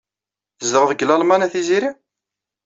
Tzedɣeḍ deg Lalman a Tiziri?